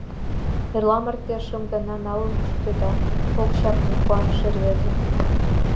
Эрла марте шым гана налын шуктеда, — ок чакне куаныше рвезе.